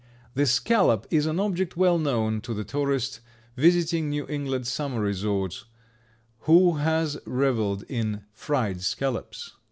The scallop is an object well known to the tourist visiting New England summer resorts, who has reveled in "fried scallops."